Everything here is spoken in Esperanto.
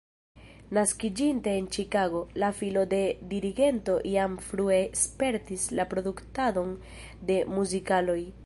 Naskiĝinte en Ĉikago, la filo de dirigento jam frue spertis la produktadon de muzikaloj.